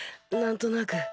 何となく。